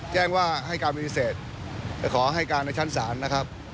แจ้งว่าให้การปฏิเสธขอให้การในชั้นศาลนะครับ